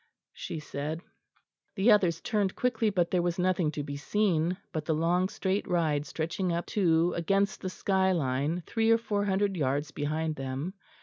she said. The others turned quickly, but there was nothing to be seen but the long straight ride stretching up to against the sky line three or four hundred yards behind them.